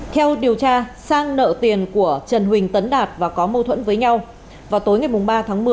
theo điều tra sang nợ tiền của trần huỳnh tấn đạt và có mâu thuẫn với nhau vào tối ngày ba tháng một mươi